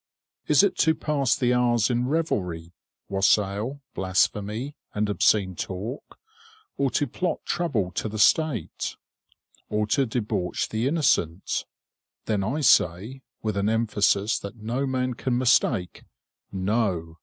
Is it to pass the hours in revelry, wassail, blasphemy, and obscene talk, or to plot trouble to the State, or to debauch the innocent? Then I say, with an emphasis that no man can mistake, "NO."